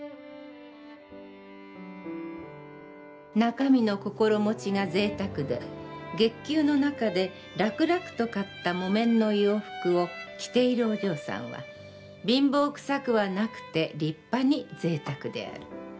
「中身の心持が贅沢で、月給の中で楽々と買った木綿の洋服を着ているお嬢さんは貧乏臭くはなくて立派に贅沢である。